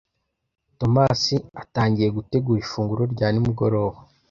Thomas atangiye gutegura ifunguro rya nimugoroba.